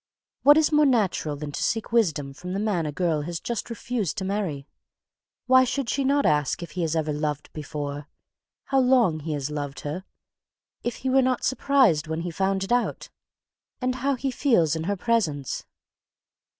What is more natural than to seek wisdom from the man a girl has just refused to marry? Why should she not ask if he has ever loved before, how long he has loved her, if he were not surprised when he found it out, and how he feels in her presence?